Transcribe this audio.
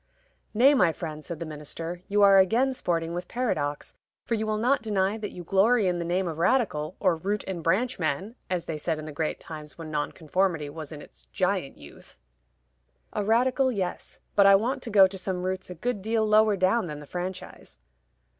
"Nay, my friend," said the minister, "you are again sporting with paradox; for you will not deny that you glory in the name of Radical, or Root and branch man, as they said in the great times when Nonconformity was in its giant youth." "A Radical yes; but I want to go to some roots a good deal lower down than the franchise."